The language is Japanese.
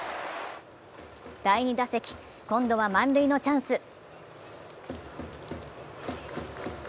第２打席、今度は満塁のチャンス。